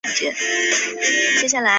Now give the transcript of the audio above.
应报正义着重对恶行的适当回应。